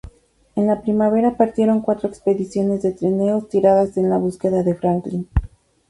En la primavera partieron cuatro expediciones de trineos tiradas en la búsqueda de Franklin.